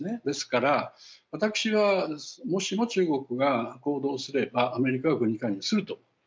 ですから私はもしも中国が行動すればアメリカは軍事介入すると。